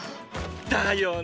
だよね！